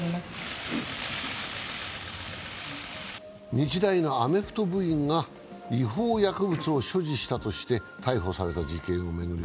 日大のアメフト部員が違法薬物を所持したとして逮捕された事件を巡り